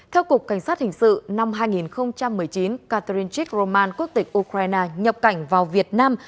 theo cục cảnh sát hình sự năm hai nghìn một mươi chín catherine chik roman quốc tịch ukraine nhập cảnh vào việt nam